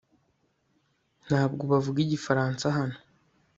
ntabwo bavuga igifaransa hano